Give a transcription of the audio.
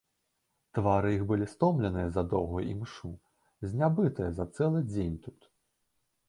Твары іх былі стомленыя за доўгую імшу, знябытыя за цэлы дзень тут.